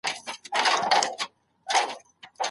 شکنجه کول او تعذيبول په اسلام کي منع دي.